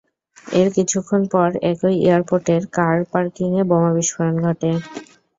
এর কিছুক্ষণ পর একই এয়ারপোর্টের, কার পার্কিংয়ে বোমা বিস্ফোরণ ঘটে।